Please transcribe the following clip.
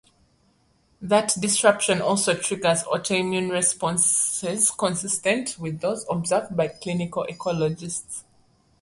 That disruption also triggers autoimmune system responses consistent with those observed by clinical ecologists.